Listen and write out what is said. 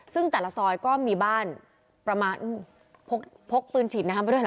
ซึ่งแต่ละซอยก็มีบ้านประมาณพกปืนฉีดน้ำไปด้วยเหรอ